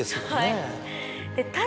はい。